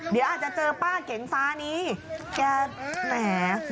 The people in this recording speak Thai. นี่ป้าเป็นนักแข่งมาตั้งแต่เด็กแล้วเว้ย